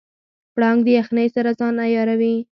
پړانګ د یخنۍ سره ځان عیاروي.